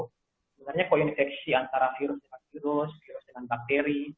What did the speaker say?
sebenarnya koinfeksi antara virus dengan virus virus dengan bakteri